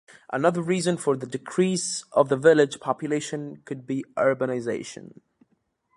Another reason for the decrease of the village population could be Urbanisation.